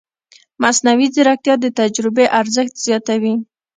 مصنوعي ځیرکتیا د تجربې ارزښت زیاتوي.